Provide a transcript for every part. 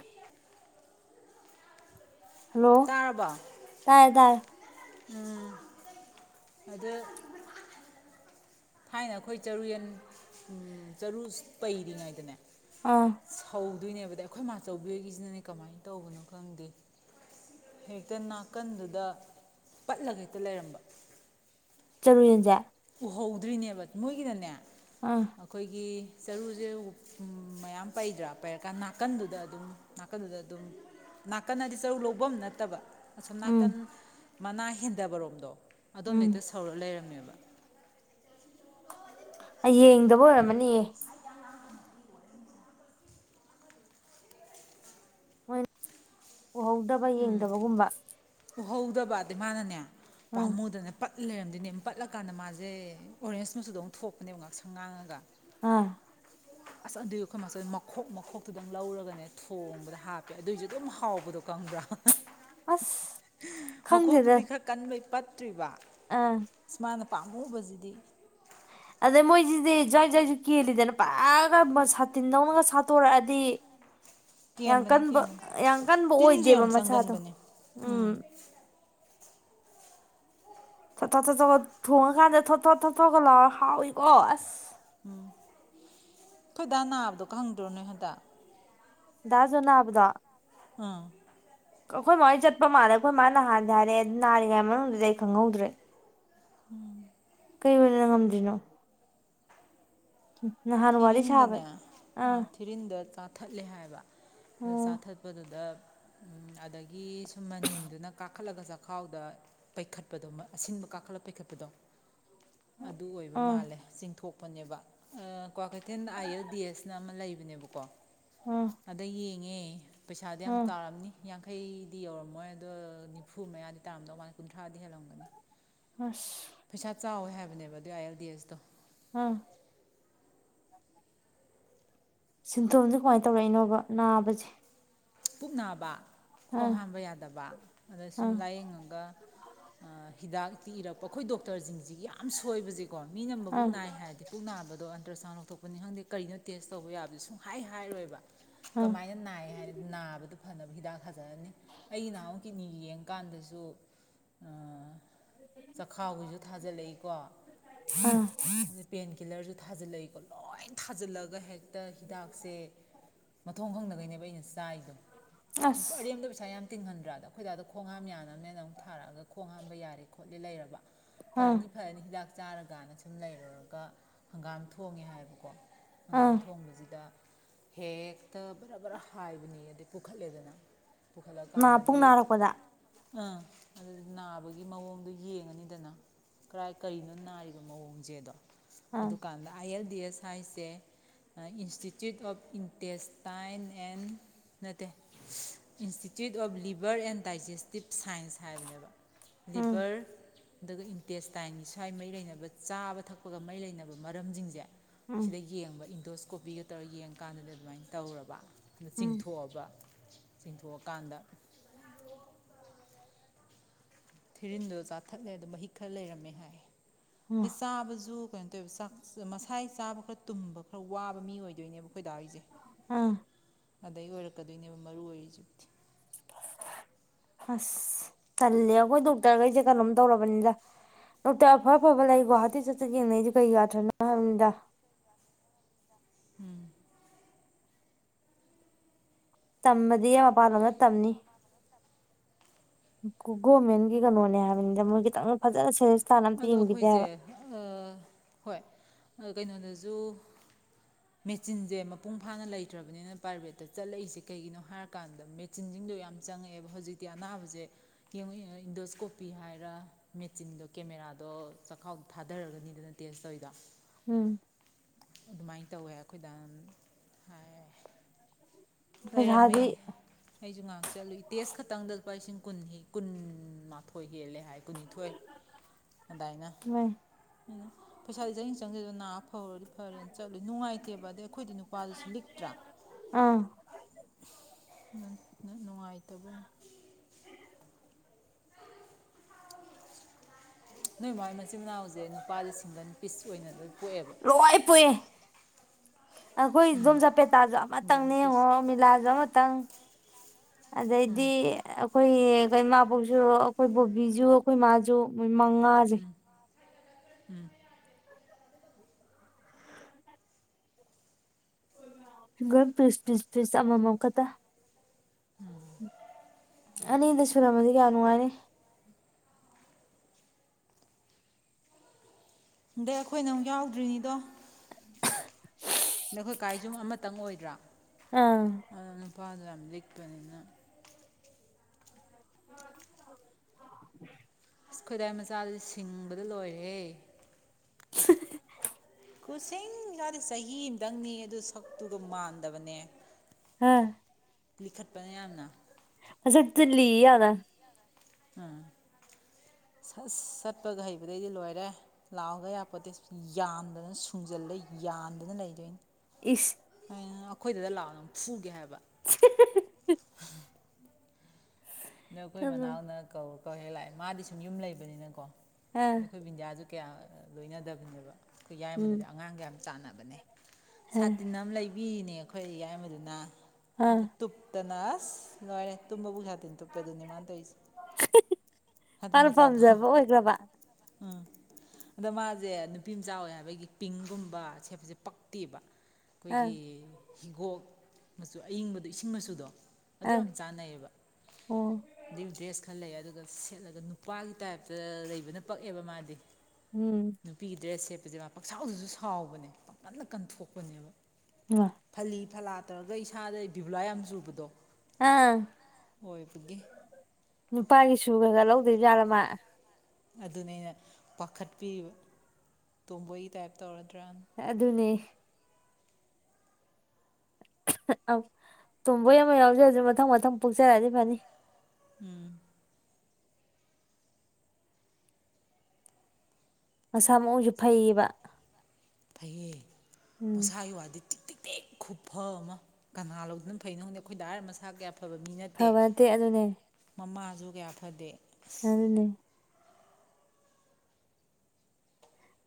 [inaudible] hello ꯇꯥꯏ ꯇꯥꯏ ꯎꯝ ꯑꯗ ꯊꯥꯏꯅ ꯑꯩꯈꯣꯏ ꯆꯔꯨ ꯌꯦꯟ ꯆꯔꯨ ꯄꯩꯔꯤꯉꯩꯗꯅꯦ ꯑꯥ ꯇꯧꯗꯣꯏꯅꯦꯕꯗ ꯑꯩꯈꯣꯏ ꯃꯥꯆꯧꯕꯤ ꯑꯣꯏꯒꯤꯁꯤꯅꯅꯦ ꯀꯃꯥꯏꯅ ꯇꯧꯕꯅꯣ ꯈꯪꯗꯦ ꯍꯦꯛꯇ ꯅꯥꯀꯟꯗꯨꯗ ꯄꯠꯂꯒ ꯍꯦꯛꯇ ꯂꯩꯔꯝꯕ ꯆꯠꯂꯨ ꯌꯦꯡꯁꯦ ꯎꯍꯧꯗ꯭ꯔꯤꯅꯦꯕ ꯃꯣꯏꯒꯤꯗꯅꯦ ꯑꯥ ꯑꯩꯈꯣꯏꯒꯤ ꯆꯔꯨꯁꯦ ꯃꯌꯥꯝ ꯄꯩꯗ꯭ꯔꯥ ꯄꯩꯔꯀꯥꯟ ꯅꯥꯀꯟꯗꯨꯗ ꯑꯗꯨꯝ ꯅꯥꯀꯟꯗꯨꯗ ꯑꯗꯨꯝ ꯅꯥꯀꯟꯗꯗꯤ ꯆꯔꯨ ꯂꯐꯝ ꯅꯠꯇꯕ ꯑꯁꯣꯝ ꯎꯝ ꯅꯥꯀꯟ ꯃꯅꯥ ꯍꯦꯟꯗꯕꯔꯣꯝꯗꯣ ꯑꯗꯣꯝꯗ ꯎꯝ ꯍꯦꯛꯇ ꯁꯧꯔꯒ ꯂꯩꯔꯝꯃꯦꯕ ꯌꯦꯡꯗꯕ ꯑꯣꯏꯔꯝꯃꯅꯤꯌꯦ ꯍ ꯎꯍꯧꯗꯕ ꯌꯦꯡꯗꯕꯒꯨꯝꯕ ꯄꯨꯍꯧꯗꯕ ꯑꯗꯩ ꯃꯥꯅꯅꯦ ꯎꯝ ꯄꯥꯝꯃꯨꯗ꯭ꯔꯅꯦ ꯂꯩꯔꯝꯗꯤꯅꯦ ꯄꯠꯂꯀꯥꯟꯗ ꯃꯥꯁꯦ ꯑꯣꯔꯦꯟꯖꯅꯁꯨ ꯑꯗꯨꯧ ꯊꯣꯛꯄꯅꯦꯕ ꯉꯥꯛꯁꯪ ꯉꯥꯡꯉꯒ ꯑꯥ ꯑꯁ ꯑꯗꯨꯏꯒꯤ ꯑꯩꯈꯣꯏ ꯃꯆꯜ ꯃꯈꯣꯛ ꯃꯈꯣꯛꯇꯨ ꯑꯗꯨꯝ ꯂꯧꯔꯒꯅꯦ ꯊꯣꯡꯕꯗ ꯍꯥꯞꯄꯦ ꯑꯗꯨꯏꯁꯨ ꯑꯗꯨꯝ ꯍꯥꯎꯕꯗꯣ ꯀꯪꯕ꯭ꯔꯥ ꯑꯁ ꯈꯪꯗꯦꯗ ꯃꯈꯣꯛꯇꯨꯗꯤ ꯈꯔ ꯀꯟꯕꯩ ꯄꯠ ꯑꯥ ꯁꯃꯅ ꯄꯥꯝꯃꯨꯕꯕꯁꯤꯗꯤ ꯑꯗꯩ ꯃꯣꯏꯁꯤꯗꯤ ꯖꯋꯥꯏ ꯖꯏꯁꯨ ꯀꯦꯜꯂꯤꯗꯅ ꯄꯛꯒ ꯁꯥꯇꯤꯟ ꯅꯧꯅꯒ ꯁꯥꯠꯇꯣꯔꯛꯑꯗꯤ ꯌꯥꯝ ꯀꯦꯟꯕꯅꯤ ꯀꯟꯕ ꯀꯦꯟꯕꯅꯤ ꯌꯥꯝ ꯀꯟꯕ ꯇꯤꯟꯁꯨ ꯑꯣꯏꯗꯦꯕ ꯌꯥꯝ ꯃꯆꯥꯥꯗꯣ ꯆꯪꯒꯟꯕꯅꯦ ꯎꯝ ꯊ ꯊ ꯊꯠ ꯊꯨꯉ ꯀꯥꯟꯗꯦ ꯊꯣ ꯊ ꯊ ꯊꯒ ꯂ ꯍꯥꯎꯋꯤ ꯀꯁ ꯎꯝ ꯈꯣꯏꯗꯥ ꯅꯥꯕꯗꯣ ꯀ ꯍꯪꯗ꯭ꯔꯣꯅꯦ ꯍꯟꯗꯛ ꯗꯗꯥꯖꯟꯅ ꯍꯥꯕꯗ ꯑꯥ ꯑꯩꯈꯣꯏ ꯃꯣꯏ ꯆꯠꯄ ꯃꯥꯜꯂꯦ ꯑꯩꯈꯣꯏ ꯃꯥ ꯅꯍꯥꯟꯗꯤ ꯍꯥꯏꯔꯦ ꯅꯥꯔꯤꯉꯩ ꯃꯅꯨꯡꯗꯨꯗꯤ ꯑꯩ ꯈꯪꯍꯧꯗ꯭ꯔꯦ ꯎꯝ ꯀꯩꯅ ꯉꯝꯗ꯭ꯔꯤꯅꯣ ꯎꯝ ꯊꯤꯔꯤꯗꯅꯦ ꯑ ꯊꯤꯔꯤꯗ ꯆꯥꯊꯠꯂꯦ ꯍꯥꯏꯕ ꯑꯗꯨ ꯑꯣ ꯆꯥꯊꯠꯄꯗꯨꯗ ꯑꯗꯒꯤ ꯁꯨꯝ ꯃꯅꯤꯗꯨꯅ ꯀꯥꯈꯠꯂꯒ ꯆꯈꯥꯎꯗ ꯄꯩꯈꯠꯄꯗꯣ ꯑꯁꯤꯟꯕ ꯀꯥꯈꯠꯂꯒ ꯄꯩꯈꯠꯄꯗꯣ ꯑꯗꯨ ꯑꯣꯏꯕ ꯑꯥ ꯃꯥꯜꯂꯦ ꯆꯤꯡꯊꯣꯛ ꯄꯨꯅꯤꯕ ꯀ꯭ꯋꯥꯀꯩꯊꯦꯜ ꯑꯥꯏ ꯑꯦꯜ ꯗꯤ ꯑꯦꯁꯅ ꯑꯃ ꯂꯩꯕꯅꯦꯕꯀꯣ ꯑꯥ ꯑꯗ ꯍ ꯄꯩꯁꯥꯗꯤ ꯌꯥꯝ ꯑꯥ ꯇꯥꯔꯝꯅꯤ ꯌꯥꯡꯈꯩꯗꯤ ꯌꯧꯔꯝꯃꯣꯏ ꯑꯗꯣ ꯅꯤꯐꯨ ꯃꯌꯥꯗꯤ ꯇꯥꯔꯝꯗꯧ ꯃꯥꯥꯟꯗ ꯀꯨꯟꯊ꯭ꯔꯥꯗꯤ ꯍꯦꯜꯂꯝꯒꯅꯤ ꯍꯁ ꯄꯩꯁꯥ ꯆꯥꯎꯋꯦ ꯍꯥꯏꯕꯅꯦꯕ ꯑꯗꯨ ꯑꯥꯏ ꯑꯦꯜ ꯗꯤ ꯑꯦꯁꯇꯣ ꯑꯥ ꯁꯤꯟꯊꯣꯝꯁꯦ ꯀꯃꯥꯏꯅ ꯇꯧꯔꯛꯏꯅꯣꯕ ꯅꯥꯕꯁꯦ ꯄꯨꯛꯅꯕ ꯈꯣꯡ ꯑꯥ ꯍꯥꯝꯕ ꯌꯥꯗꯕ ꯑꯗ ꯁꯨꯝ ꯑꯥ ꯂꯥꯏꯌꯦꯡꯉꯒ ꯍꯤꯗꯥꯛꯇꯤ ꯏꯔꯛꯄ ꯑꯩꯈꯣꯏ ꯗꯣꯛꯇꯔꯁꯤꯡꯁꯤꯒꯤ ꯌꯥꯝ ꯁꯣꯏꯕꯁꯦ ꯀꯣ ꯃꯤ ꯅꯝꯕꯕꯨꯛ ꯑꯥ ꯅꯥꯏ ꯍꯥꯏꯔꯗꯤ ꯄꯨꯛ ꯅꯥꯕꯗꯣ ꯑꯜꯇ꯭ꯔꯥꯁꯥꯎꯟ ꯂꯧꯊꯣꯛꯄꯅꯤ ꯈꯪꯗꯦ ꯀꯔꯤꯅꯣ ꯇꯦꯁ ꯇꯧꯕ ꯌꯥꯕꯗꯤ ꯁꯨꯡꯍ ꯍꯥꯏꯔꯣꯏꯕ ꯑꯥ ꯀꯃꯥꯏꯅ ꯅꯥꯏ ꯍꯥꯏꯔꯤ ꯊꯥꯕꯗꯨ ꯐꯅꯕ ꯍꯤꯗꯥꯛ ꯊꯥꯖꯔꯅꯤ ꯑꯩꯒꯤ ꯅꯍꯥꯟꯨ ꯀꯤꯠꯅꯤ ꯌꯦꯡꯀꯥꯟꯗꯁꯨ ꯆꯈꯥꯎꯒꯤꯁꯨ ꯊꯥꯖꯤꯜꯂꯛꯏꯀꯣ ꯑꯥ ꯑ ꯄꯦꯟ ꯀꯤꯜꯂꯔꯁꯨ ꯐꯥꯖꯤ ꯂꯩꯩ ꯂꯣꯏ ꯊꯥꯖꯤꯜꯂꯒ ꯍꯦꯛꯇ ꯍꯤꯗꯥꯛꯁꯦ ꯃꯊꯣꯡ ꯈꯪꯗ ꯒꯩꯅꯕꯏꯩꯅꯁ ꯇꯥꯏ ꯑꯁ ꯑꯔꯦꯝꯕꯗ ꯄꯩꯁ ꯌꯥꯝ ꯇꯤꯡꯍꯟꯗ꯭ꯔꯥꯑꯣꯗ ꯑꯩꯈꯣꯏꯗ ꯗꯣ ꯈꯣꯡ ꯍꯥꯝ ꯌꯥꯅꯕꯅꯦꯅ ꯑꯃꯨꯛ ꯊꯥꯔꯛꯑꯒ ꯈꯣꯡ ꯍꯥꯝꯕ ꯌꯥꯔꯦ ꯈꯣꯠꯂꯦ ꯂꯩꯔꯕ ꯑꯥ ꯐꯔꯅꯤ ꯐꯔꯅꯤ ꯍꯤꯗꯥꯛ ꯆꯥꯔꯀꯥꯟꯗ ꯁꯨꯝ ꯂꯩꯔꯨꯔꯒ ꯍꯪꯒꯥꯝ ꯊꯣꯡꯉꯦ ꯍꯥꯏꯕꯀꯣ ꯑꯥ ꯍꯪꯒꯥꯝ ꯊꯣꯡꯕꯖꯤꯗ ꯍꯦꯛ ꯇ ꯕꯔꯕꯔ ꯍꯥꯏꯕꯅꯤ ꯑꯗꯩ ꯄꯨꯈꯠꯂꯦꯗꯅ ꯅꯥ ꯄꯨꯡ ꯄꯨꯈꯠꯂꯀꯥꯟꯗꯗꯤ ꯅꯥꯔꯛꯄꯗ ꯑꯥ ꯑꯗꯨ ꯅꯥꯕꯒꯤ ꯃꯑꯣꯡꯗꯣ ꯌꯦꯡꯉꯅꯤꯗꯅ ꯀꯔꯥꯏ ꯀꯔꯤꯅꯣ ꯅꯥꯔꯤꯕ ꯃꯑꯣꯡꯖꯦꯗꯣ ꯑꯥ ꯑꯗꯨꯀꯥꯟꯗ ꯑꯥꯏ ꯑꯦꯜ ꯗꯤ ꯑꯦꯁ ꯍꯥꯏꯁꯦ ꯏꯟꯁꯇꯤꯇ꯭ꯌꯨꯠ ꯑꯣꯐ ꯏꯟꯇꯦꯁꯇꯥꯏꯟ ꯑꯦꯟ ꯅꯠꯇꯦ institute of liver and digestive science ꯍꯥꯏꯕꯅꯦꯕ ꯎꯝ ꯂꯤꯕꯔ ꯑꯗꯨꯒ ꯏꯟꯇꯦꯁꯇꯥꯏꯟꯒꯤ ꯁ꯭ꯋꯥꯏ ꯃꯔꯤ ꯂꯩꯅꯕ ꯆꯥꯕ ꯊꯛꯄꯒ ꯃꯔꯤ ꯂꯩꯅꯕ ꯃꯔꯝꯖꯤꯡꯖꯦ ꯎꯝ ꯁꯤꯗ ꯌꯦꯡꯕ ꯗꯣꯁ ꯀꯣꯄꯤꯒ ꯇꯧꯔ ꯌꯦꯡꯀꯥꯟꯗꯗꯤ ꯑꯗꯨꯃꯥꯏꯅ ꯇꯧꯔꯕ ꯎꯝ ꯆꯤꯡꯊꯣꯛꯑꯕ ꯆꯤꯡꯊꯣꯛꯑꯀꯥꯟꯗ ꯊꯤꯔꯤꯟꯗꯣ ꯆꯥꯊꯠꯂꯦ ꯑꯗꯣ ꯃꯍꯤꯛ ꯈꯔ ꯂꯩꯔꯝꯃꯦ ꯍꯥꯏ ꯎꯝ ꯗꯩ ꯆꯥꯕꯖꯨ ꯀꯩꯅꯣ ꯇꯧꯋꯝꯕ ꯆꯥꯛ ꯃꯁꯥꯏ ꯆꯥꯕ ꯈꯔ ꯇꯨꯝꯕ ꯈꯔ ꯋꯥꯕ ꯃꯤ ꯑꯣꯏꯗꯣꯏꯅꯦꯕ ꯑꯩꯈꯣꯏꯗꯥꯒꯤꯖꯦ ꯎꯝ ꯑꯗꯩ ꯑꯣꯏꯔꯛꯀꯗꯣꯏꯅꯦꯕ ꯃꯔꯨ ꯑꯣꯏꯔꯤꯖꯤꯇꯤ ꯑꯁ ꯇꯜꯂꯦ ꯑꯩꯈꯣꯏ ꯗꯣꯛꯇꯔꯒꯩꯖꯦ ꯀꯩꯅꯣꯝ ꯇꯧꯔꯕꯅꯤꯗ ꯗꯣꯛꯇꯔ ꯑꯐ ꯑꯐꯕ ꯂꯩꯒꯣ ꯍꯥꯇꯤꯆꯠ ꯆꯠ ꯌꯦꯡꯅꯩꯖꯦ ꯀꯩꯑꯥꯊ꯭ꯔꯥ ꯅꯣ ꯍꯥꯏꯕꯅꯤꯗ ꯎꯝ ꯇꯝꯕꯗꯤ ꯌꯥꯝ ꯃꯄꯥꯟꯂꯣꯝꯗ ꯇꯝꯅꯤ ꯒꯣꯔꯃꯦꯟꯒꯤ ꯀꯩꯅꯣꯅꯦ ꯍꯥꯏꯕꯅꯤꯗ ꯃꯣꯏ ꯈꯤꯇꯪ ꯐꯖꯅ ꯁꯦꯔꯤꯁ ꯇꯥꯅ ꯑꯝꯇ ꯑꯗꯣ ꯌꯦꯡꯕꯤꯗꯦ ꯑꯈꯣꯏꯁꯦ ꯍꯥꯏꯕ ꯍꯣꯏ ꯀꯩꯅꯣꯗꯁꯨ ꯃꯦꯆꯤꯟꯁꯦ ꯃꯄꯨꯡ ꯐꯥꯅ ꯂꯩꯇ꯭ꯔꯕꯅꯤꯅ ꯄ꯭ꯔꯥꯏꯚꯦꯠꯇ ꯆꯠꯂꯛꯏꯁꯦ ꯀꯩꯒꯤꯅꯣ ꯍꯥꯏꯔꯀꯥꯟꯗ ꯃꯦꯆꯤꯟꯖꯤꯡꯗꯣ ꯌꯥꯝ ꯆꯪꯉꯛꯑꯦꯕ ꯍꯧꯖꯤꯛꯇꯤ ꯑꯅꯥꯕꯁꯦ ꯌꯦꯡꯉꯨꯉꯨꯒ ꯏꯟꯗꯣꯁꯀꯣꯄꯤ ꯍꯥꯏꯔ ꯃꯦꯆꯤꯟꯗꯣ ꯀꯦꯃꯦꯔꯥꯗꯣ ꯆꯈꯥꯎ ꯊꯥꯗꯔꯒꯅꯤꯗꯅ ꯇꯦꯁ ꯇꯧꯔꯤꯗ ꯎꯝ ꯑꯗꯨꯃꯥꯏꯅ ꯇꯧꯋꯦ ꯑꯩꯈꯣꯏꯗꯥꯅ ꯍꯥꯏ ꯂꯩꯔꯝꯃꯦ ꯄꯩꯁꯥꯗꯤ ꯑꯩꯁꯨ ꯉꯥꯏꯍꯥꯛ ꯆꯠꯂꯨꯏ ꯇꯦꯁ ꯈꯛꯇꯪꯗ ꯂꯨꯄꯥ ꯂꯤꯁꯤꯡ ꯀꯨꯟꯍꯦ ꯀꯨꯟꯃꯥꯊꯣꯏ ꯍꯦꯜꯂꯦ ꯍꯥꯏ ꯀꯨꯟꯅꯤꯊꯣꯏ ꯑꯗꯥꯏꯅ [unintelligible] ꯄꯩꯁꯥꯗꯤ ꯆꯪꯅꯤꯡ ꯆꯪꯖꯖꯥꯅꫭ ꯅꯄꯥ ꯍꯧꯔꯗꯤ ꯐꯔꯦꯅ ꯆꯠꯂꯨ ꯅꯨꯡꯉꯥꯏꯇꯦꯕ ꯑꯗꯩ ꯑꯈꯣꯏꯗꯤ ꯅꯨꯄꯥꯗꯨꯁꯨ ꯂꯤꯛꯇ꯭ꯔꯥ ꯑꯥ [unintelligible] ꯅꯨꯡꯉꯥꯏꯇꯕ ꯅꯣꯏ ꯃꯥꯏ ꯃꯆꯤꯟ ꯃꯅꯥꯎꯖꯦ ꯅꯨꯄꯥꯖꯦ ꯁꯤꯡꯒꯟ ꯄꯤꯁ ꯑꯣꯏꯅ ꯂꫭꯏ ꯄꯣꯛꯑꯦꯕ ꯑꯈꯣꯏ ꯑꯗꫭꯝꯆꯥ ꯆꯄꯦꯇꯥꯖꯨ ꯁꯤꯡꯒꯜ ꯑꯃꯇꯪꯅꯦ ꯌꯦꯡꯉꯣ ꯄꯤꯁ ꯃꯤꯂꯥꯖꯨ ꯑꯃꯇꯪ ꯑꯗꯩꯗꯤ ꯑꯈꯣꯏꯒꯤ ꯏꯃꯥꯕꯛꯁꯨ ꯑꯈꯣꯏ ꯕꯣꯕꯤꯖꯨ ꯑꯈꯣꯏ ꯃꯥꯖꯨ ꯃꯣꯏ ꯃꯉꯥꯖꯦ [unintelligible] ꯎꯝ ꯁꯤꯡꯒꯝ ꯄꯤꯁ ꯄꯤꯁ ꯄꯤꯁ ꯑꯃꯃꯝ ꯈꯇꯥ ꯑꯅꯤꯗꯁꯨ ꯁꯨꯌꯔꯝꯃꯗꯤ ꯀꯌꯥꯝ ꯅꯨꯡꯉꯥꯏꯅꯤ ꯑꯗꯩ ꯑꯈꯣꯏꯅ ꯑꯃꯨꯛ ꯌꯥꯎꯗ꯭ꯔꯤꯅꯤꯗꯣ [inaudible] ꯑꯈꯣꯏ ꯀꯥꯏꯖꯨ ꯑꯃꯇꯪ ꯑꯣꯏꯗ꯭ꯔꯥ ꯑꯥ ꯄꯥꯗꫭ ꯌꯥꯝ ꯂꯤꯛꯄꯅꯤꯅ [inaudible] ꯑꯁ ꯑꯈꫭꯏꯗꯥꯏ ꯃꯁꯥ ꯁꯤꯡꯕꯗ ꯂꯣꯏꯔꯦꯍꯦ ꯀꯨꯁꯤꯡꯒꯗꯤ ꯆꯍꯤ ꯑꯝꯗꯪꯅꯦꯌꯦ ꯑꯗꯨ ꯁꯛꯇꯨꯒ ꯃꯥꯟꯗꯕꯅꯦ ꯑꯥ ꯂꯤꯈꯠꯄꯅꯦ ꯌꯥꯝꯅ ꯃꯥꯁꯛꯇꯨ ꯂꯤꯌꯦ ꯌꯥꯝꯅ ꯎꯝ ꯁꯁ ꯆꯠꯄꯒ ꯍꯩꯕꯗꯩꯗꯤ ꯂꯣꯏꯔꯦ ꯂꯥꯛꯑꫭꯒ ꯌꯥꯄꯣꯠꯇꯦ ꯌꯥꯟꯗꯅ ꯁꯨꯡꯖꯜꯂ ꯌꯥꯟꯗꯅ ꯂꯩꯗꯣꯏꯅꯤ ꯏꯁ [unintelligible] ꯑꯈꯣꯏꯗ ꯂꯥꯛꯑꫭ ꯅꯪ ꯐꯨꯒꯦ ꯍꯥꯏꯕ [inaudible] ꯅꯪ ꯑꯈꫭꯏ ꯃꯅꯥꯎ ꯎꯝ ꯅ ꯀꯧ ꯀꯧꯍꯦꯛ ꯂꯥꯛꯑꯦ ꯃꯥꯗꯤ ꯁꯨꯝ ꯌꯨꯝ ꯂꯩꯕꯅꯤꯅꯀꯣ ꯍꯥ ꯑꯗꯩ ꯑꯈꫭꯏ ꯕꯤꯟꯗꯤꯌꯥꯖꯨ ꯀꯌꯥ ꯂꯣꯏꯅꯗꯕꯅꯦꯕ ꯑꯈꯣꯏ ꯎꯝ ꯌꯥꯏꯃꯗꯨꯗꯤ ꯑꯉꯥꯡꯒ ꯌꯥꯝ ꯆꯥꯟꯅꯕꯅꯦ ꯍꯥ ꯁꯥꯇꯤꯟ ꯑꯝ ꯂꯩ ꯕꯤꯅꯦ ꯑꯈꯣꯏ ꯌꯥꯏꯃꯥꯗꯨꯅ ꯑꯗꫭ ꯑꯥ ꯇꯨꯞꯇꯅ ꯑꯁ ꯂꯣꯏꯔꯦ ꯇꯨꯝꯕꯕꯨꯛ ꯌꯥꯗꯦ ꯑꯗꯨꯅꯤꯃꯥꯟ ꯇꯥꯎꯖꯦ ꯍꯥꯏꯗꯤ ꯃꯥꯅ ꯃꯆꯥꯥꯗꫭ ꯄꯥꯝꯖꯕ ꯑꯣꯏꯈ꯭ꯔꯕ ꯎꯝ ꯑꯗ ꯃꯥꯖꯦ ꯅꯨꯄꯤ ꯃꯆꯥ ꯑꯣꯏ ꯍꯥꯏꯕꯒꯤ ꯄꯤꯡꯒꯨꯝꯕ ꯁꯦꯠꯄꯖꯦ ꯄꯛꯇꯦꯕ ꯑꯥ ꯑꯈꯣꯏꯒꯤ ꯍꯤꯒꯣꯛ ꯃꯆꯨ ꯑꯏꯡꯕꯗꯣ ꯏꯁꯤꯡ ꯃꯆꯨꯗꯣ ꯑꯗꯨ ꯑꯥ ꯌꯥꯝ ꯆꯥꯟꯅꯩꯌꯦꯕ ꯑꯣ [unintelligible] ꯗ꯭ꯔꯦꯁ ꯈꯥꯂꯩ ꯑꯗꯨꯒ ꯁꯦꯠꯂꯒ ꯅꯨꯄꯥꯒꯤ ꯇꯥꯏꯞꯇ ꯂꯩꯕꯅ ꯄꯛꯑꯦꯕ ꯃꯥꯗꯤ ꯎꯝ ꯅꯨꯄꯤꯒꯤ ꯗ꯭ꯔꯦꯁ ꯁꯦꯠ ꯄꯖꯦ ꯃꯥ ꯄꯛꯁꯥꯎꯗꯨꯁꯨ ꯁꯥꯎꯕꯅꯦ ꯄꯥꯛꯀꯟꯗ ꯀꯟꯊꯣꯛꯄꯅꯦꯕ ꯏꯃꯥ ꯐꯂꯤ ꯐꯂꯥ ꯇꯧꯒ ꯏꯁꯥꯗ ꯕꯤꯕꯨꯂꯥ ꯌꯥꯝꯅ ꯆꯨꯕꯗꯣ ꯑꯥ ꯑꯣꯏꯕꯒꯤ ꯅꯨꯄꯥꯒꯤꯁꯨ ꯀꯩꯀꯥ ꯂꯧꯗꯣꯏꯖꯠꯂ ꯃꯥ ꯑꯗꯨꯅꯦ ꯑꯩꯅ ꯄꯥꯈꯠꯄꯤꯔꯤꯕ ꯇꯣꯝꯕꯣꯏꯒꯤ ꯇꯥꯏꯞ ꯇꯧꯔꯗ꯭ꯔꯥ ꯑꯗꯨꯅꯦ ꯇꯨꯝꯕꯣꯏ ꯑꯃ ꯌꯥꯎꯖꯔꯁꯨ ꯃꯊꯪ ꯃꯊꯪ ꯄꯣꯛꯆꯔꯛꯑꯗꯤ ꯐꯅꯤ ꯎꯝ ꯃꯁꯥ ꯃꯎꯖꯨ ꯐꯩꯌꯦꯕ ꯐꯩꯌꯦ ꯎꯝ ꯃꯁꯥꯒꯤ ꯋꯥꯗꯤ ꯇꯤꯛ ꯇꯤꯛ ꯈꯨꯐ ꯑꯃ ꯀꯅꯥ ꯂꯧꯗꯨꯅ ꯐꯩꯅꯣ ꯈꯪꯗꯦ ꯑꯈꯣꯏ ꯗꯥ ꯍꯥꯏꯔꯦ ꯃꯁꯥ ꯀꯌꯥ ꯐꯕ ꯃꯤ ꯅꯠꯇꯦ ꯐꯕ ꯑꯗꯨꯅꯦ ꯃꯃꯥ ꯖꯨ ꯀꯌꯥ ꯐꯗꯦ ꯑꯗꯨꯅꯦ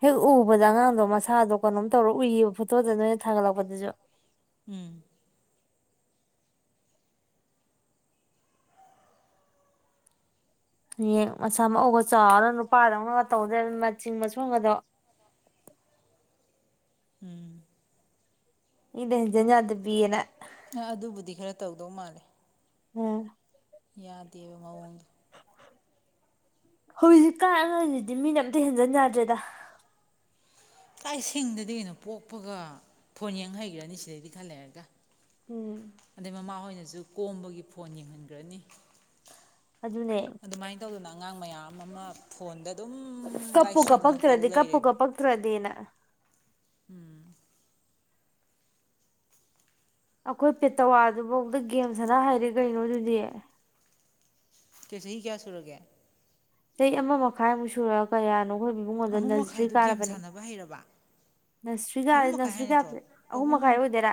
ꯍꯦꯛ ꯎꯕꯗ ꯑꯉꯥꯡꯗꯣ ꯃꯁꯥꯗꯣ ꯀꯩꯅꯣꯝ ꯇꯧꯔꯒ ꯎꯏꯌꯦꯕ ꯐꯣꯇꯣꯗ ꯅꯣꯏꯅ ꯊꯥꯒꯠꯂꯛꯄꯗꯨꯁꯨ ꯎꯝ ꯍꯌꯦꯡ ꯃꯁꯥ ꯃꯎꯒ ꯆꯥꯎꯔ ꯅꯨꯄꯥꯗꯧꯅꯒ ꯇꯧꯗ ꯃꯆꯤꯡ ꯃꯁꯨꯝꯒꯗꯣ ꯎꯝ ꯃꯤꯅ ꯍꯦꯟꯖꯟ ꯌꯥꯗꯕꯤꯅ ꯑ ꯑꯗꯨꯕꯨꯗꯤ ꯈꯔ ꯇꯧꯗꯧ ꯃꯥꯜꯂꯦ ꯎꯝ ꯌꯥꯗꯦꯕ ꯃꯑꯣꯡꯗꫭ ꯍꯧꯖꯤꯛꯀꯟ ꯑꯉꯡꯖꯤꯗꯤ ꯃꯤꯅ ꯑꯝꯇ ꯍꯦꯟꯖꯤꯟ ꯌꯥꯗ꯭ꯔꯦꯗ ꯀꯥꯏ ꯁꯤꯡꯗꯗꯤ ꯀꯩꯅꯣ ꯄꯣꯛꯄꯒ ꯐꯣꯟ ꯌꯦꯡ ꯍꯩꯒ꯭ꯔꯅꯤ ꯁꯤꯗꯩꯗꯤ ꯈꯂꯦꯔꯒ ꯎꯝ ꯑꯗꯩꯩ ꯃꯃꯥ ꯍꯣꯏꯅ ꯑꯗꯨ ꯀꯣꯝꯕꯒꯤ ꯐꯣꯟ ꯌꯦꯡꯍꯟꯈ꯭ꯔꯅꯤ ꯑꯗꯨꯅꯦ ꯑꯗꯨꯃꯥꯏꯅ ꯇꯧꯗꯅ ꯑꯉꯥꯡ ꯃꯌꯥꯝ ꯑꯃ ꯐꯣꯟꯗ ꯑꯗꯨꯝ ꯀꯞꯄꯨ ꯂꯥꯏꯁꯨꯨꯗꯅ ꯇꯧ ꯀꯞꯄꯛꯇ꯭ꯔꯗꯤ ꯀꯞꯄꯨ ꯂꯩꯔꯦꯕ ꯀꯞꯄꯛꯇ꯭ꯔꯗꯤꯅ ꯎꯝ ꯑꯩꯈꯣꯏ ꯄꯦꯇꯋꯥꯗꯨꯐꯧꯗ ꯒꯦꯝ ꯁꯅ ꯍꯥꯏꯔꯦ ꯀꯩꯅꯣ ꯑꯗꯨꯗꯤ ꯀ ꯆꯍꯤ ꯀꯌꯥ ꯁꯨꯔꯒꯦ ꯆꯍꯤ ꯑꯃ ꯃꯈꯥꯏꯃꯨꯛ ꯁꯨꯔ ꯀꯌꯥꯅꯣ ꯑꯩꯈꯣꯏ ꯏꯕꯨꯡꯉꯣꯗꯣ ꯑꯃꯨ ꯅꯁꯔꯤ ꯃꯈꯥꯏꯗꯨ ꯒꯦꯝ ꯀꯥꯔꯕꯅꯦ ꯁꯥꯟꯅꯕ ꯍꯩꯔꯕ ꯅꯁꯔꯤ ꯑꯍꯨꯝ ꯀꯥꯔꯦ ꯃꯈꯥꯏ ꯍꯥꯏ ꯅꯁꯔꯤ ꯅꯠꯇ꯭ꯔꯣ ꯀꯥꯕꯁꯦ ꯑꯍꯨꯝ ꯃꯈꯥꯏ ꯑꯣꯏꯗꯣꯏꯔꯥ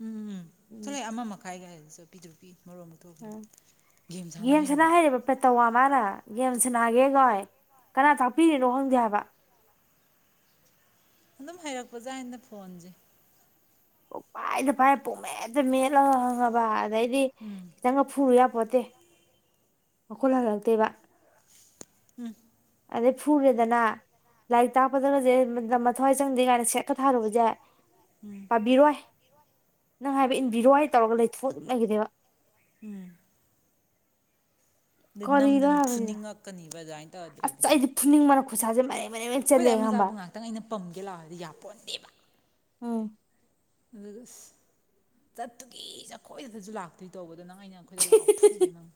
ꯎꯝ ꯎꯝ ꯁꯂꯥꯏ ꯑꯃ ꯃꯈꯥꯏꯒ ꯍꯥꯏꯗꯨ ꯆꯠ [unintelligible] ꯎꯝ ꯌꯅꯅ ꯍꯩꯔꯕ ꯍꯥꯏꯔꯦꯕ ꯄꯦꯇꯋꯥ ꯃꯥꯅ ꯌꯥꯝ ꯁꯅꯥꯒꯦ ꯀꯣꯏ ꯀꯅꯥ ꯇꯥꯛꯄꯤꯔꯤꯅꯣ ꯈꯪꯗꯦ ꯍꯥꯏꯕ ꯑꯗꯨꯝ ꯍꯥꯏꯩꯔꯛꯄꯖꯥ ꯑꯅ ꯐꯣꯟꯁꯦ ꯐꯥꯏꯗ ꯐꯥꯏ ꯄꯨꯡꯃꯦꯗ ꯃꯦꯠꯂꯒ ꯈꯥꯪꯉꯕ ꯎꯝ ꯑꯗꯩꯗꯤꯈꯤꯇꯪ ꯐꯨꯔꯨ ꯌꯥ ꯈꯣꯠꯇꯦ ꯃꯈꯨꯠ ꯍꯜꯂꯛꯇꯦꯕ ꯎꯝ ꯑꯗꯩ ꯐꯨꯔꯦꯗꯅ ꯂꯥꯏꯔꯤꯛ ꯇꯥꯛꯄꯗꯒꯁꯦ ꯃꯊ꯭ꯋꯥꯏ ꯆꯪꯗꯦ ꯀꯥꯏꯅ ꯁꯦꯠꯀ ꯊꯥꯔꯨꯕꯁꯦ ꯎꯝ ꯄꯥꯕꯤꯔꯣ ꯅꯪ ꯍꯥꯏꯕ ꯏꯟꯕꯤꯔꯣ ꯍꯥꯏ ꯇꯧꯔꯒ ꯂꯩꯊꯣꯛꯑ ꯑꯗꯨꯝ ꯂꯩꯈꯤꯗꯦꯕ ꯎꯝ ꯑꯩ ꯀꯔꯤꯅꯣ ꯅꯝꯗꯅ ꯍꯥꯏꯕꯅꯤꯗ ꯐꯅꯤꯡꯉꯛꯀꯅꯤꯕ ꯑꯗꯨꯃꯥꯏꯅ ꯇꯧꯔꯗꯤ ꯑꯩꯗꯤ ꯈꯨꯁꯥꯁꯦ ꯃꯇꯦꯪ ꯑꯩꯈꯣꯏꯗꯏ ꯃꯆꯥꯕꯨ ꯉꯥꯏꯍꯥꯛꯇꯪ ꯑꯩꯅ ꯄꯝꯒꯦ ꯂꯥꯛꯑꯣꯗꯤ ꯌꯥ ꯄꯣꯟꯟꯗꯦꯕ ꯑꯥ ꯑꯗꯨ ꯑꯁ ꯆꯠꯇꯨꯒꯤ ꯆꯈꯣꯏꯗꯗꯁꯨ ꯂꯥꯛꯇꯣꯏ ꯇꯧꯕ ꯑꯗꯨꯗ ꯅꯪ ꯑꯩꯅ ꯑꯩꯈꯣꯏꯗ ꯂꯥꯛꯑꯣ ꯐꯨꯒꯦ ꯅꯪ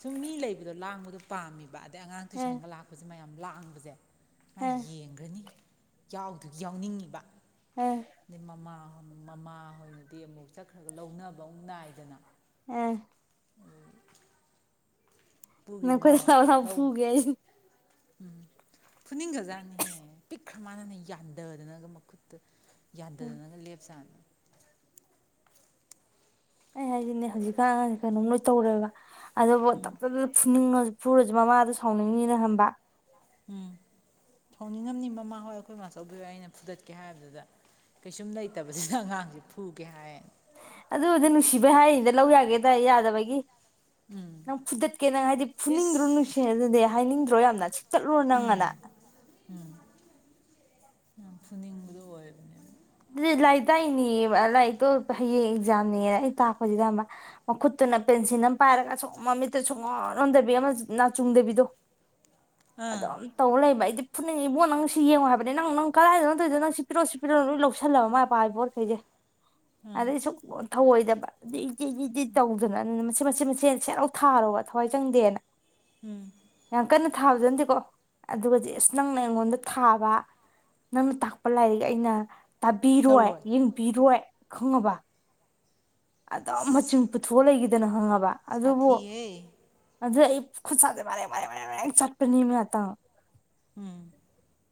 ꯁꯨꯝ ꯃꯤ ꯂꯩꯕꯗꯣ ꯂꯥꯡꯕꯗꯣ ꯄꯥꯝꯃꯤꯕ ꯑꯗꯩ ꯑꯉꯥꯡ ꯑꯦ ꯇꯨꯏꯁꯟꯒ ꯂꯥꯛꯄꯁꯤ ꯃꯌꯥꯝ ꯂꯥꯛꯕꯁꯦ ꯑꯩ ꯑꯦ ꯌꯦꯡꯈꯔ꯭ ꯅꯤ ꯌꯥꯎꯗꯨ ꯌꯥꯎꯅꯤꯡꯕ ꯎꯝ ꯑꯗꯩ ꯃꯃꯥ ꯃꯃꯥ ꯍꯣꯏꯅꯗꯤ ꯑꯃꯨꯛ ꯆꯠꯈ꯭ꯔꯒ ꯂꯧꯅꯕ ꯑꯃꯨꯛ ꯅꯥꯏꯗꯅ ꯑꯝ ꯅꯡ ꯄꯨꯒꯤꯅꯣ ꯑꯈꯣꯏꯗ ꯂꯥꯛꯑꯣ ꯂꯥꯛꯑꯣ ꯐꯨꯒꯦ ꯍꯥꯢꯁꯤ ꯎꯝ ꯐꯨꯅꯤꯡꯈꯖꯥꯠꯅꯤ ꯄꯤꯛ ꯃꯥꯟꯅꯅ ꯌꯥꯟꯗꯗꯅꯒ ꯃꯈꯨꯠꯇ ꯌꯥꯟꯗꯗꯅꯒ ꯂꯦꯞꯆꯥꯅꯤ ꯑꯩ ꯍꯥꯏꯁꯤꯅꯦ ꯍꯧꯖꯤꯛꯀꯥꯟ ꯑꯉꯥꯡ ꯀꯩꯅꯣꯝ ꯂꯣꯏ ꯇꯧꯔꯦꯕ ꯑꯗꯨꯐꯥꯎ ꯇꯞ ꯇꯞ ꯐꯨꯅꯤꯡꯉ ꯐꯨꯔꯁꯨ ꯃꯃꯥꯗꯨ ꯁꯥꯎꯅꯤꯡꯅꯤꯅ ꯍꯝꯕ ꯎꯝ ꯁꯥꯎꯅꯤꯡꯉꯝꯅꯤ ꯃꯃꯥ ꯍꯣꯏ ꯑꯈꯣꯏ ꯃꯥꯆꯧꯕꯤ ꯍꯣꯏ ꯑꯩꯅ ꯐꯨꯗꯠꯀꯦ ꯍꯥꯏꯕꯗꯨꯗ ꯀꯩꯁꯨꯝ ꯂꯩꯇꯕꯁꯤꯗ ꯑꯉꯥꯡꯁꯦ ꯐꯨꯒꯦ ꯍꯥꯏꯅ ꯑꯗꯨꯕꯨꯗꯤ ꯅꯨꯡꯁꯤꯕꯩ ꯍꯥꯏꯔꯤꯅꯤꯗ ꯂꯧ ꯌꯥꯒꯦꯗ ꯌꯥꯗꯕꯒꯤ ꯎꯝ ꯅꯪ ꯐꯨꯗꯠꯀꯦ ꯅꯪ ꯍꯥꯏꯗꯤ ꯐꯨꯅꯤꯡꯗ꯭ꯔꯣ ꯅꯨꯡꯁꯤ ꯏꯁ ꯑꯗꯨꯗꯤ ꯍꯥꯏꯅꯤꯡꯗ [unintelligible] ꯌꯥꯝꯅ ꯁꯤꯛ ꯇꯠꯂꯨꯔ ꯅꯪ ꯑꯅ ꯎꯝ ꯌꯥꯝ ꯐꯨꯅꯤꯡꯕꯗꯣ ꯑꯣꯏꯕꯅꯦ ꯗꯨꯗꯤ ꯂꯥꯏꯔꯤꯛ ꯇꯥꯛꯏꯅꯦꯌꯦ ꯑꯥ ꯂꯥꯏꯔꯤꯛꯇꯣ ꯍꯌꯦꯡ ꯑꯦꯛꯖꯥꯝꯅꯦ ꯑꯩ ꯇꯥꯛꯄꯁꯤꯗ ꯑꯃ ꯃꯈꯨꯠꯇꯨꯅ ꯄꯦꯟꯁꯤꯟ ꯑꯝ ꯄꯥꯏꯔꯒ ꯁꯨꯡ ꯃꯃꯤꯠꯇ ꯁꯨꯡꯑꯣꯟ ꯑꯣꯟꯗꯕꯤ ꯑꯃ ꯅꯥ ꯆꯨꯡꯗꯕꯤꯗꯣ ꯑꯗꯨꯝ ꯑꯥ ꯇꯧ ꯂꯩꯕ ꯑꯩꯗꯤꯞ ꯐꯨꯅꯤꯡ ꯏꯕꯨꯡꯉꯣ ꯅꯪ ꯁꯤ ꯌꯦꯡꯉꯨ ꯍꯥꯏꯕꯅꯦ ꯅꯪ ꯅꯪ ꯀꯗꯥꯏꯗ ꯅꯪ ꯇꯩꯗꯣ ꯁꯤ ꯄꯤꯔꯣ ꯁꯤ ꯄꯤꯔꯣ ꯅ ꯂꯧꯁ ꯁꯜꯂꯕ ꯃꯥ ꯄꯥꯏꯕ ꯄꯣꯠꯈꯩꯖꯦ ꯎꯝ ꯑꯗꯩ ꯁꯨꯛ ꯊꯧꯑꯣꯏꯗꯕ [unintelligible] ꯇꯤꯗꯤꯗꯤꯠ ꯇꯧꯗꯅ ꯃꯁꯤ ꯃꯁ ꯁꯦ ꯃꯁꯦꯅ ꯁꯦꯠꯂꯥꯎ ꯊꯥꯔꯨꯕ ꯊꯋꯥꯏ ꯆꯪꯗꯦꯅ ꯌꯥꯝ ꯀꯟꯅ ꯊꯥꯕꯁꯨ ꯅꯠꯇꯦꯀꯣ ꯑꯗꯨꯒꯗꯤ ꯑꯁ ꯅꯪꯅ ꯑꯩꯉꯣꯟꯗ ꯊꯥꯕ ꯅꯪꯅ ꯇꯥꯛꯄ ꯂꯥꯏꯔꯤꯛ ꯑꯩꯅ ꯇꯥꯕꯤꯔꯣꯏ ꯂꯧꯔꯣꯏ ꯌꯦꯡꯕꯤꯔꯣꯏ ꯈꯪꯉꯕ ꯑꯗꯨꯝ ꯃꯆꯤꯡ ꯄꯨꯊꯣꯛꯑ ꯂꯩꯈꯤꯗ ꯇꯅ ꯈꯪꯉꯕꯥ ꯁꯥꯊꯤ ꯍꯦ ꯑꯗꯨ ꯑꯩ ꯈꯨꯠꯁꯥꯁꯦ ꯃꯔꯦꯡ ꯃꯔꯦꯡ ꯃꯔꯦꯡ ꯃꯔꯦꯡ ꯆꯠꯄꯅꯦꯃꯤ ꯉꯥꯇꯪ ꯎꯝ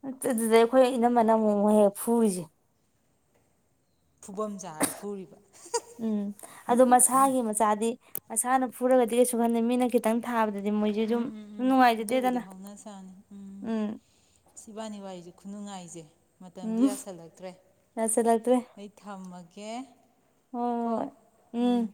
[unintelligible] ꯑꯗꯨꯗꯩ ꯑꯈꯣꯏ ꯏꯅꯝꯃꯅ ꯑꯃꯨꯛ ꯃꯨꯛ ꯍꯦꯛ ꯐꯨꯔꯤꯁꯦ ꯐꯨꯐꯝ ꯆꯥꯔ ꯐꯨꯔꯤꯕ ꯎꯝ ꯑꯗꯨ ꯃꯁꯥꯒꯤ ꯃꯆꯥꯗꯤ ꯃꯁꯥꯅ ꯐꯨꯔꯒꯗꯤ ꯀꯩꯁꯨ ꯈꯟꯗꯦ ꯃꯤꯅ ꯈꯤꯇꯪ ꯊꯥꯕ ꯎꯝ ꯎꯝ ꯎꯝ ꯗꯨꯕꯨꯗꯤ ꯍꯧꯅ ꯁꯥꯅꯤ ꯎꯝ ꯏꯁ ꯏꯕꯥꯅꯤ ꯋꯥꯏꯖꯤ ꯈꯨꯅꯨꯉꯥꯏꯖꯦ ꯃꯇꯝꯗꯤ ꯎꯝ ꯌꯥꯁꯜꯂꯛꯇ꯭ꯔꯦ ꯌꯥꯁꯜꯂꯛꯇ꯭ꯔꯦ ꯑꯩ ꯊꯝꯃꯒꯦ ꯍꯣꯏ ꯀꯣ ꯍꯣꯏ ꯎꯝ